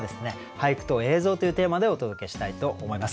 「俳句と映像」というテーマでお届けしたいと思います。